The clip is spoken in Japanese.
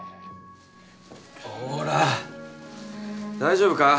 ほら大丈夫か？